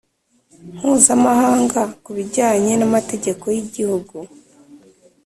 mpuzamahanga ku bijyanye n’ amategeko y’igihugu